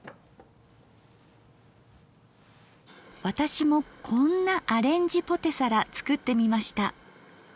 私もこんなアレンジポテサラ作ってみました。